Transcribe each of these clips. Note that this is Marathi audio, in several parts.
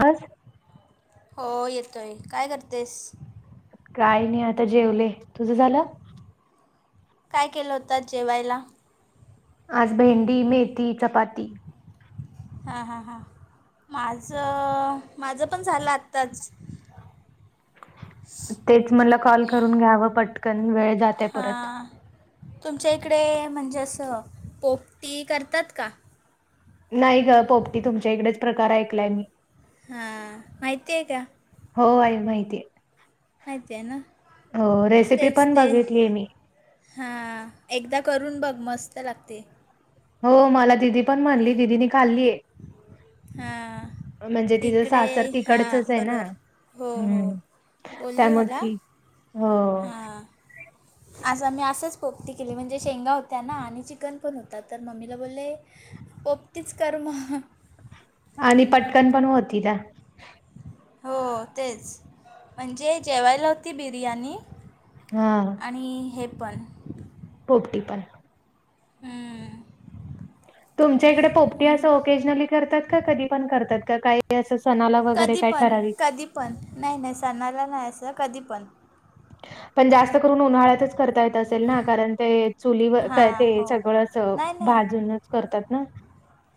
हास. हो येतोय. काय करतेस. काय नी आता जेवले. तुझं झालं. काय केलं होतं आज जेवायला. आज भेंडी, मेथी, चपाती. हा हा हा. माझ.. अ.. माझ पण झाल आत्ताच. तेच म्हणल कॉल करून घ्यावं पटकन. वेळ जात हा.. आ.. तुमच्या इकडे म्हणजे असं पोपती करतात का? नाही ग, पोपती तुमच्या इकडेच प्रकार ऐकलाय मी. हा.. आ.. माहितीय का? हो आई माहितीए. माहिती आहे ना हो. रेसिपी पण बघितलीए मी. हा.. आ.. एकदा करून बघ मस्त लागते. हो मला दिदी पण म्हणली दिदीनी खाल्लीए. हा. तिचं तिकडे ये. सासर हा तिकडचच आहे ना बरोबर, हो हो हम्म बोलली त्यामुळे मला. ती हो.. ओ.. हां आज आमी आसंच पोपती केले म्हणजे शेंगा होत्या ना आणि चिकन पण होता. तर मम्मीला बोलले पोपटीच कर म हं. आणि पटकन पण होती ना. हो तेच, म्हणजे जेवायला होती बिर्याणी. हा हा. आणि हे पण. पोपती पण. हम्. तुमच्या इकडे पोपती असं ओकेजनली करतात का कधी पण करतात का काही ते असं सणाला वगैरे कधी काय पण ठरावीक कधी पण नाही नाही सनाला नाही असं कधी पण. पण जास्त करून उन्हाळ्यातच करता येत असेल ना. कारण ते चुलीवर काय हां ते हो सगळं असं नाही नाही भाजूनच करतात ना.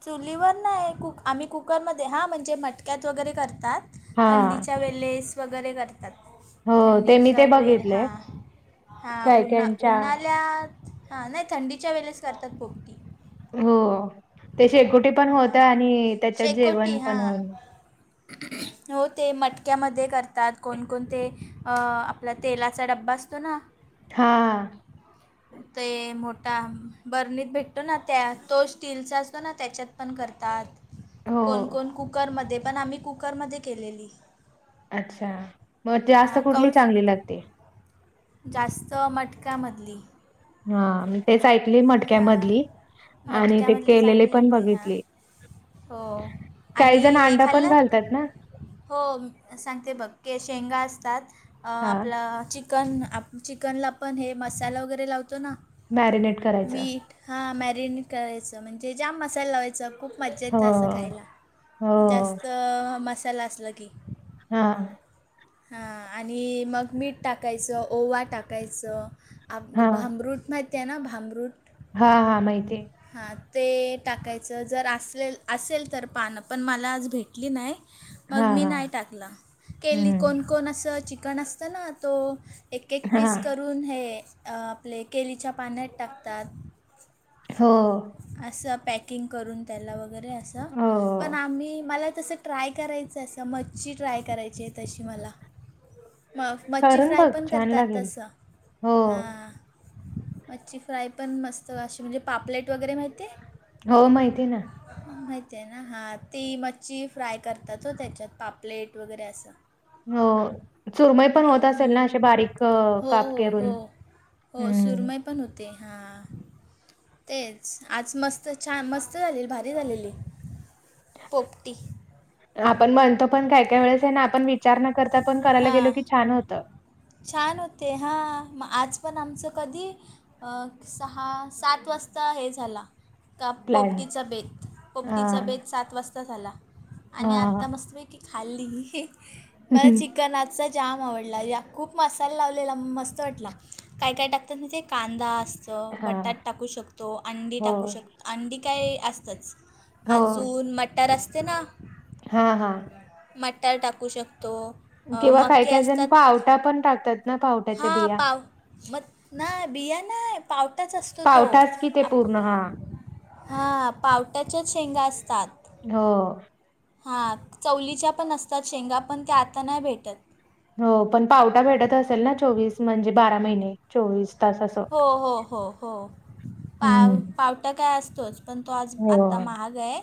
चुलीवर नाही कुक आम्ही कुकरमध्ये हां म्हणजे मटक्यात वगैरे करतात. हा थंडीच्या वेलेस वगैरे करतात. हो ते मी थंडीचा ते वेळ हा. बघितलंय हा काय कायच्या उन्हा-उन्हाल्यात हा नाही थंडीच्या वेलेस करतात पोपटी. हो ते शेकोटी पण होत हां आणि त्याच्यात शेकोटी जेवण पण हां हो. हो ते मटक्यामध्ये करतात कोण-कोण ते आ पला तेलाचा डब्बा असतो ना. हा. ते मोठा बर्नीत भेटतो ना त्या तो स्टीलचा असतो ना त्याच्यात पण करतात. हो कोण-कोण कुकरमध्ये पण, आम्ही कुकरमध्ये केलेली. अच्छा, मग ते हां असं कुठली कौल्फ चांगली लागते? जास्त मटकामधली. हा मी तेच ऐकली हां मटक्यामधली आणि ते मटक्यामधली केलेले चांगली पण लागते हां बघितले. हो [inaudible] आणि काही जण हे अंडा पण खाल्लात घालतात ना. हो सांगते बघ शेंगा असतात हा आपला चि कन आप चिकनला पण हे मसाला वगैरे लावतो ना. मॅरीनेट. मीठ हा मॅरिनेट करायचं म्हणजे जाम मसाल लावायचा. खूप मज्जा येत हो असं खायला, हो जास्त मसाला असला की. हा [inaudible] हा आणि मग मीठ टाकायचं, ओवा टाकायचं. आ ग हा भामरूट महिती आहे ना भामरूट. हा हा माहिती आहे. हां, ते टाकायचं जर असलेल असेल तर पानं पण मला आज भेटली नाही. हा मग मी हा नाही टाकलं, केली हम्म कोण-कोण असं चिकन असतं ना तो एक-एक हा पीस करून हे आपले केलीच्या पाण्यात टाकतात. हो. असं पॅकिंग करून त्याला वगैरे असं, हो पण आम्ही मला तसं ट्राय करायचं असं मच्छी ट्राय करायची आहे तशी मला. मग मच्छी करून फ्राय बघ पण छान करतात लागेल तसं हो हां. मच्छी फ्राय पण मस्त अशी म्हणजे पापलेट वगैरे माहितीये? हो माहिती ना. हा माहित आहे ना, हा ती मच्छी फ्राय करतात हो त्याच्यात पापलेट वगैरे असं. हो चुरमई पण होत असेल हं. ना असे बारीक अ हो काप हो हो केरून. हो सुरम‌ई पण होते, हा. तेच आज मस्त छान मस्त झालेली भारी झालेली, पोपटी. आपण म्हणतो पण काय-काय वेळेस आहे ना आपण विचार न करता पण करायला गेलो हां की छान होतं. छान होते हा मग आज पण आमचं कधी मग सहा, सात वाजता हे झाला. का प्लॅन पोपटीचा बेत, हा पोपटीचा बेत सात वाजता झाला, आणि हा आत्ता मस्त पै की खाल्ली. मला चिकन आजचा जाम आवडला या. खूप मसाला लावलेला मस्त वाटला. काय-काय टाकतात नाही ते कांदा अस च हा बटाट टाकू शकतो, अंडी हो टाकू शको अंडी काय असतंच. हो अजून मटर असते ना. हा हा. मटार टाकू शकतो. अ, किंवा काय मके काय जण असतात पावटा पण टाकतात. ना पावट्याच्या हां, बिया पाव म नाही, बिया नाही. पावटाच असतो तो पावटाच कि ते आप पूर्ण हा हा, पावट्याच्याच शेंगा असतात. हो. हा, चवळीच्या पण असतात शेंगा, पण त्या आता नाही भेटत. हो, पण पावटा भेटत असेल ना, चोवीस म्हणजे बारा महिने. चोवीस तास आसं. हो हो हो हो पाव हम्म. पाव. काय, असतोच. पण तो आज हो आत्ता महाग आहे.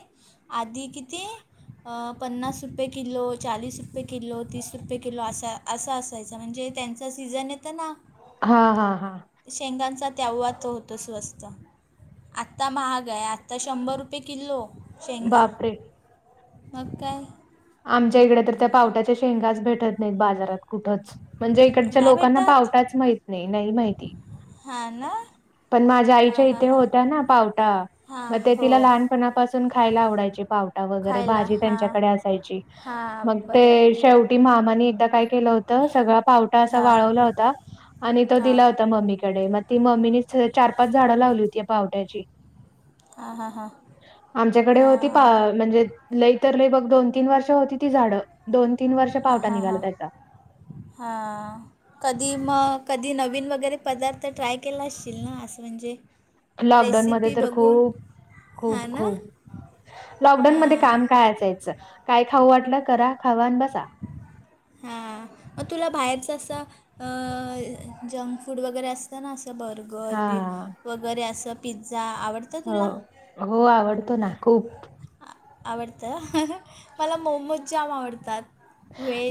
आधी किती पन्नास रुपये किलो, चाळीस रुपये किलो, तीस रुपये किलो असा असायचा म्हणजे त्यांच सीझन येतं ना हा हा हा. शेंगदाण्याचं तेव्हा तो होतो, तसं असतं. आता महाग आहे, आता शंभर रुपये किलो. शेंगा बापरे! मग काय आमच्या इकडे तर त्या पावट्याच्या शेंगाच भेटत नाही बाजारात. कुठच, म्हणजे इकडच्या नाही लोकांना भेटत पावटाच माहीत नाही, नाही माहिती. हा ना. पण माझ्या हां आईच्या हां इथे हां होत्या ना पावटा. हां मग ते हो तिला लहानपणापासून खायला आवडायचे पावटा वगैरे खायला भाजी, हां त्यांच्याकडे अस. पाहिजे, हां मग बरोबर ते शेवटी मामानी एकदा काय केलं होत? सगळा पावटा असं हां वाळवला होता आणि तो हां दिला होता मम्मीकडे म ती मम्मीने चार-पाच झाडं लावली होती या पावट्याची. हां हां हां आमच्याकडे हां होती पा, म्हणजे लईत लई बघ, दोन-तीन वर्ष होती ती झाडं. दोन-तीन वर्ष पावटा निघाला त्याचा. हा. कधी मग, कधी नवीन वगैरे पदार्थ ट्राय केला असशील ना, असं म्हणजे? लॉकडाऊनमध्ये रेसिपी तर बघून खूप हां खूप ना खूप. लॉकडाऊनमध्ये हां काम असायचं, काय खाऊ वाटलं करा, खावा आणि बसा. हा मग तुला बाहेर जसं अं, जंक फूड वगैरे असतं ना, असं बरं हा बर्गर वगैरे, असं पिझ्झा आवड हो हो आवडतो ना खूप. आ- आवडतं, मला मोमो जाम आवडतात.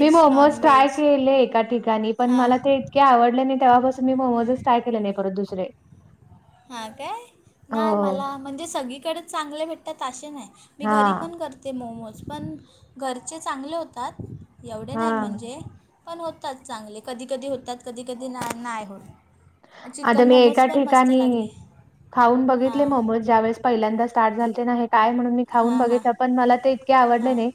मी मोमोज ट्राय नॉनव्हेज केले एका ठिकाणी, पण हां मला ते का आवडले नाही तेव्हापासून मी मोमोजच ट्राय केले नाही परत दुसरे. हां, काय नाही, हो. मला म्हणजे सगळीकडेच चांगले भेटतात असे नाही. मी घरी हां. पण करत ते मोमोज पण घरचे चांगले होतात एवढे नाही, हां. म्हणजे. पण होतात चांगले, कधी कधी होतात, कधी कधी नाही होत. आता चिकन मी मोमोज एका पण मस्त ठिकाणी लागले खाऊन बघितले हां मोमोज ज्यावेळेस पहिल्यांदा स्टार्ट झालते ना हे, काय म्हणून मी खाऊन हां हां बघितलं, पण मला ते इतके आवडले हां नाही.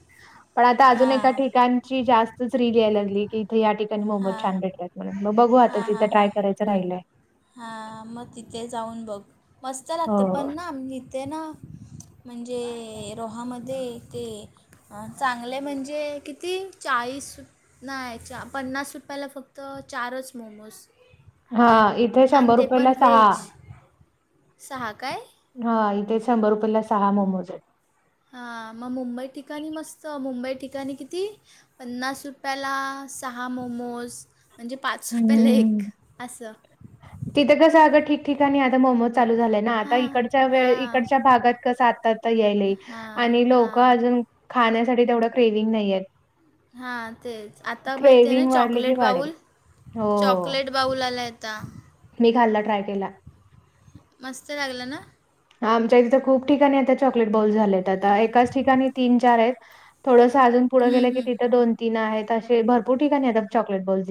पण आता अजून हां एका हां ठिकाणची जास्तच रील येऊ लागली की, इथे या ठिकाणी मोमोज हां छान भेटतात म्हणून बघू, तिथं ट्राय करायचं राहिलंय. हा, मग तिथे जाऊन बघ, मस्त लागते. हो. पण ना इथे ना. म्हणजे रोहामध्ये ते ह चांगले म्हणजे किती चाळीस नाही च पन्नास रुपयाला फक्त चारच मोमोज. हा इथे आणि शंभर ते रुपयेला पण सहा. व्हेज सहा काय? हा इथे शंभर रुपयाेला सहा मोमोज आहेत. हा मग मुंबई ठिकाणी मस्त, मुंबई ठिकाणी किती पन्नास रुपयाला सहा मोमोज म्हणजे पाच रुपयाला एक हम्म. असं. तिथं कसं आगं ठिक-ठिकाणी आता मोमोज चालू झाल्या. ना आता हां इकडच्या वेळ हां इकडच्या भागात कसं आता तर यायले हां आणि लोक हां अजून- खाण्यासाठी तेवढं क्रेवि्हंग नाहीय. हा तेच आता माहिती आहे ना क्रेविंग वाढली की चॉकलेट वाढेल. बाउल, हो चॉकलेट बाऊला आलाय आता. मी खाल्ला ट्राय केला. मस्त लागलं ना? आमच्या तिथं खूप ठिकाणी आता चॉकलेट बाउल झाले आहेत आता एकाच ठिकाणी तीन-चार आहेत. थोडंसं अजून पुढं गेलं की तिथं दोन, तीन आहेत असे भरपूर ठिकाणी येतात चॉकलेट बाउल्स.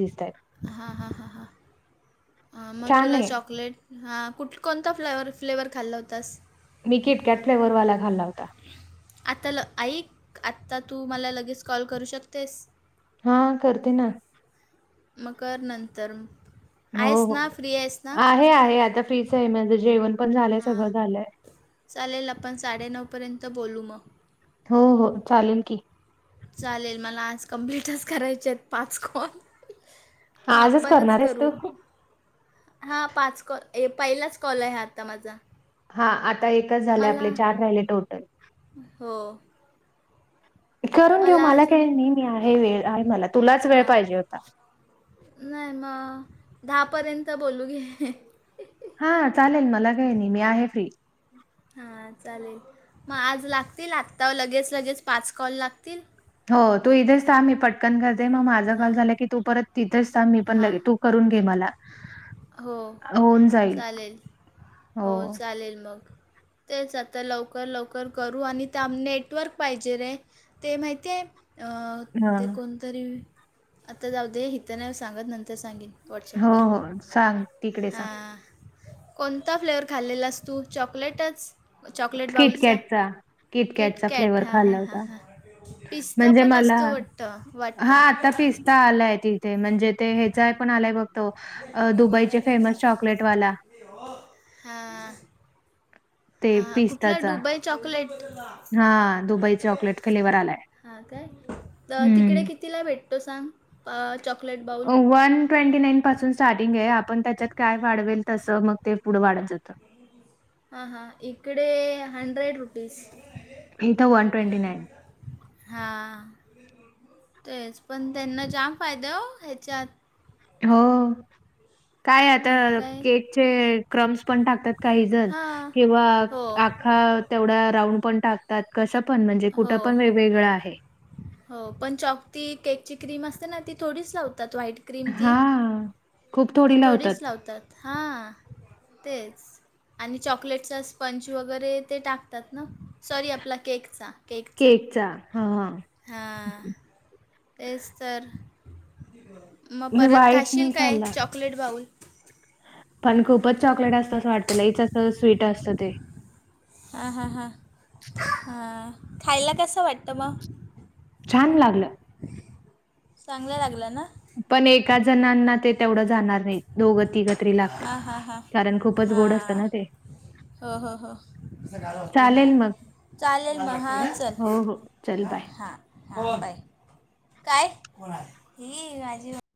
हा हा ह, हा मग छान तुला आहे चॉकलेट हा कुठ कोणता फ्लेवर, फ्लेवर खाल्ला होतास? मी किटकॅट फ्लेवर वाला खाल्ला होता. आत्ता ल ऐक आत्ता तू मला लगेच कॉल करू शकतेस? हा करते ना. मग कर नंतर. हो आहेस ना हो, फ्री आहेस ना आहे आहे आता फ्रीच आहे म्हणजे जेवण पण झालंय हां सगळं झालंय. चालेल आपण साडे नऊ पर्यंत बोलू मग. हो हो चालेल कि. चालेल मला आज कम्प्लीटच करायचे आहेत पाच कॉल. मग आजच आपणच करणार आहेस तू? करू. हा पाच कॉल, हे पहिलाच कॉल आहे हा आता माझा. हा आता एकच झाले आपले मला चार राहिले टोटल. हो. करून घेऊ, मला काही नाही, मी आहे वेळ आहे मला तुलाच वेळ हां पाहिजे होता. नाही मग दहा पर्यंत बोलू घे. हा चालेल मला काही नाही, मी आहे फ्री. हा चालेल. मग आज लागतील आत्ता लगेच-लगेच पाच कॉल लागतील? हो तू इथेच थांब मी पटकन करते मग माझा कॉल हां झालं की तू परत तिथेच थांब मी पण हां लगे तू करून घे मला. हो होऊन जाईल चालेल, हो चालेल मग. तेच आता लवकर-लवकर करू आणि त्या नेटवर्क पाहिजे रे, ते माहिती आहे अं हा. ते कोण तरी, आता जाऊ दे इथं नाही सांगत नंतर सांगेन व्हॉट्स‌अप हो वर, हो सांग तिकडे सांग हां. कोणता फ्लेवर खाल्लेलास तू, चॉकलेटच? चॉकलेट बाउलचा, किटकॅटचा किटकॅटचा किटकॅट फ्लेवर हा हां खाल्ला हां होता हां, पिस्ता म्हणजे पण मला असतो वाट त वाटत. [unintelligible] ते म्हणजे ते हेचाय पण आलाय बघतो, अं दुबईचे फेमस चॉकलेटवाला. [unintelligible] हां. ते हां कुठला पिस्ताचा. Dubai chocolate. हां, दुबई चॉकलेट फ्लेवर आलाय. [unintelligible] हां काय, तिकडे हं. किती तिला भेटतो सांग? अं चॉकलेट बाऊल आ वन ट्वेंटी नाईन पासून स्टार्टिंग आहे आपण त्याच्यात काय वाढवेल तसं मग ते पुढं वाढत जातं. हा हा, इकडे हंड्रेड रुपीस. इथ वन ट्वेंटी नाईन. हां तेच, पण त्यांना जाम फायदा हो ह्याच्यात. हो. काय मग आता, काय केकचे क्रम्स पण टाकतात काही जण हां किंव्हा हो आख्खा तेवढा राऊंड पण टाकतात, कसं पण म्हणजे हो कुठं पण वेगवेगळं आहे. हो पण चौकती केक ची क्रीम असते ना ती थोडीच लावतात व्हाईट. क्रीम ती, हां, खूप ती थोडी लावतात. थोडीच लावतात, हां तेच. आणि चॉकलेटचा स्पंच वगैरे ते टाकतात ना, सॉरी आपला केकचा, केकचा. ह हां. हां, तेच तर. मग मी परत व्हाईट खाशील नाही काय, खाल्ला. Chocolate bowl? पण खूपच चॉकलेट असतं असं वाटतं लई जास्त स्वीट असतं ते. हां हां हां ह खायला कसं वाटतं मग? छान लागलं. [inaudible] चांगलं लागलं ना? पण एका जणांना ते तेवढं जाणार नाही, दोघं-तिघं तरी लागत्यात, हां हां कारण खूपच गोड असतं ना ते. हं हं हं. चालेल मग [unintelligible] चालेल मग हा चल, हो हो चल हा. बाय. [unintelligible] हा बाय काय? ही माझी